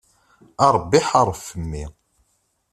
A Ṛebbi ḥareb ɣef mmi.